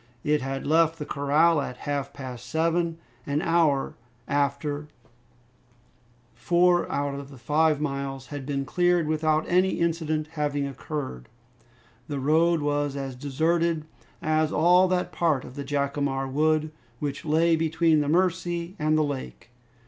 It had left the corral at half past seven. An hour after, four out of the five miles had been cleared, without any incident having occurred. The road was as deserted as all that part of the Jacamar Wood which lay between the Mercy and the lake.